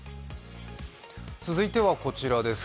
続いてはこちらです。